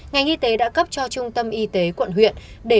ngành y tế đã cấp cho trung tâm y tế quận huyện